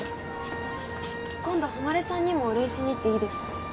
今度誉さんにもお礼しに行っていいですか？